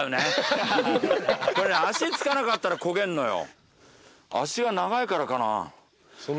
これ足着かなかったらこげんのよ。